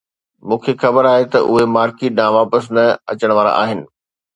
مون کي خبر آهي ته اهي مارڪيٽ ڏانهن واپس نه اچڻ وارا آهن